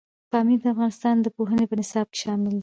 پامیر د افغانستان د پوهنې په نصاب کې شامل دی.